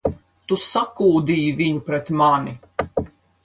Tu sakūdīji viņu pret mani!